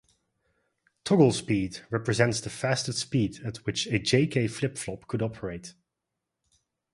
"Toggle speed" represents the fastest speed at which a J-K flip flop could operate.